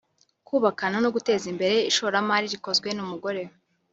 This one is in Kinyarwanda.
kubakana no guteza imbere ishoramari rikozwe n’umugore